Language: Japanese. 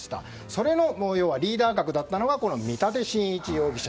それのリーダー格だったのは見立真一容疑者。